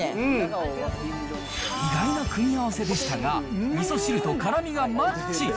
意外な組み合わせでしたが、みそ汁と辛みがマッチ。